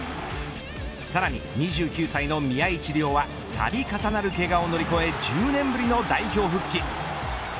さらに２９歳の宮市亮は度重なるけがを乗り越え１０年ぶりの代表復帰。